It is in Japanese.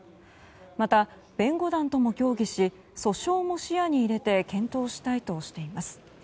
また、弁護団とも協議し訴訟も視野に入れて検討したいとしています。